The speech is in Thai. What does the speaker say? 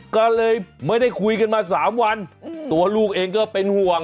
ก็เลยไม่ได้คุยกันมา๓วันตัวลูกเองก็เป็นห่วง